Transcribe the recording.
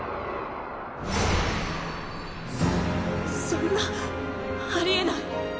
そんなありえない。